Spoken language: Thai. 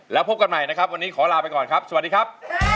แล้วพบกันใหม่นะครับวันนี้ขอลาไปก่อนครับสวัสดีครับ